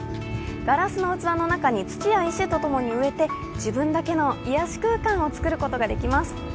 ガラスの器の中に土や石とともに植えて自分だけの癒し空間を作ることができます。